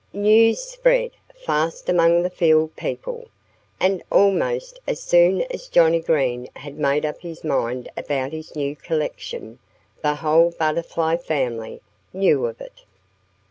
News spreads fast among the field people; and almost as soon as Johnnie Green had made up his mind about his new collection, the whole Butterfly family knew of it.